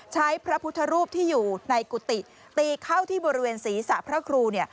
พระพุทธรูปที่อยู่ในกุฏิตีเข้าที่บริเวณศีรษะพระครู